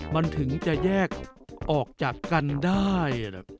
มันถึงจะแยกออกจากกันได้